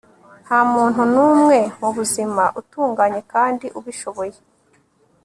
ntamuntu numwe mubuzima utunganye kandi ubishoboye